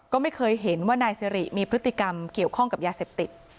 ก็ไม่เคยเห็นว่านายสิริมีพฤติกรรมเกี่ยวข้องกับยาเสพติด